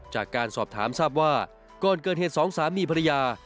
จากการสอบถามทราบว่าก่อนเกิดเหตุสองสามีภรรยา